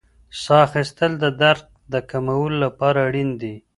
ساه اخیستل د درد د کمولو لپاره اړین دي.